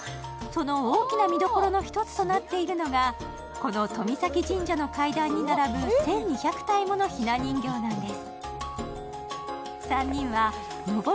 その大きな見どころの１つとなっているのがこの遠見岬神社の階段に並ぶ１２００体ものひな人形です。